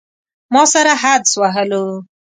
ما سره حدس وهلو.